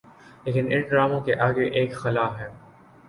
لیکن ان ڈراموں کے آگے ایک خلاہے۔